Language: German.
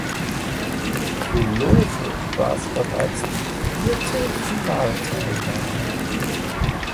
Für Lowe war es bereits die vierte Finalteilnahme.